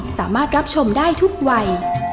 สามารถรับชมได้ทุกวัย